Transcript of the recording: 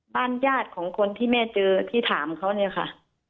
บ้านญาติของคนที่แม่เจอที่ถามเขาเนี่ยค่ะ